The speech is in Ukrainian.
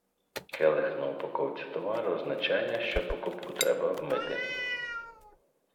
Келих на упаковці товару означає, що покупку треба обмити.